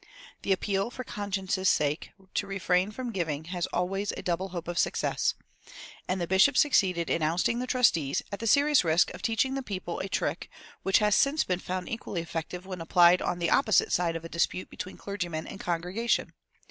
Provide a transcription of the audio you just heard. The appeal, for conscience' sake, to refrain from giving has always a double hope of success. And the bishop succeeded in ousting the trustees, at the serious risk of teaching the people a trick which has since been found equally effective when applied on the opposite side of a dispute between clergyman and congregation.